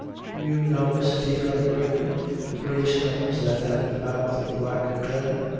"Do you know," said he, rather gravely, "the Grey Stone that's at the mouth of the Black Glen?"